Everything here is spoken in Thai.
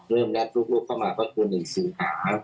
เริ่มงัดลูกเข้ามาก็คือ๑สิงหา